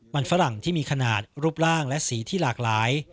มันฝรั่งที่มีขนาดรูปร่างและสีที่หลากหลาย